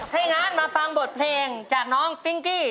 ให้งั้นมาฟังบทเพลงจากน้องฟิ้งกี้